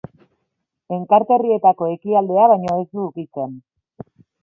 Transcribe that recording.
Enkarterrietako ekialdea baino ez du ukitzen.